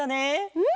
うん！